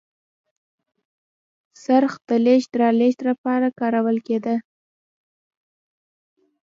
څرخ د لېږد رالېږد لپاره کارول کېده.